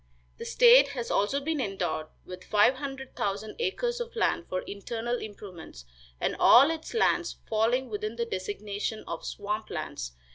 The state has also been endowed with five hundred thousand acres of land for internal improvements, and all its lands falling within the designation of swamp lands.